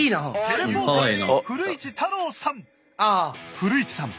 古市さん